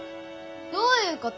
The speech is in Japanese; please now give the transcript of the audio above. どういうこと？